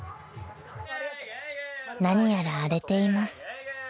［何やら荒れています］